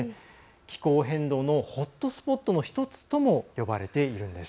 気候変動のホットスポットの１つとも呼ばれているんです。